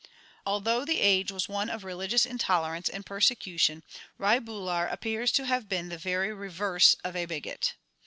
Although the age was one of religious intolerance and persecution, Rai Bular appears to have been the very reverse of a bigot.